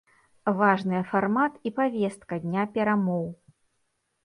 Важныя фармат і паветка дня перамоў.